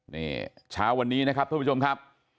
นี่เช้าวันนี้นะครับท่านผู้ชมครับ